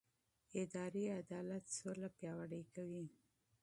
اداري عدالت سوله پیاوړې کوي